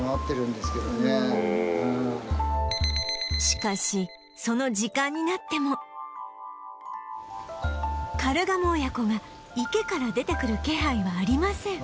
しかしその時間になってもカルガモ親子が池から出てくる気配はありません